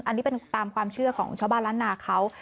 อันนี้เป็นตามความเชื่อของชาวบ้านล้านนาเขา